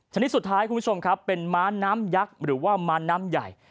ชนิดสุดท้ายคุณผู้ชมครับเป็นม้าน้ำยักษ์หรือว่าม้าน้ำใหญ่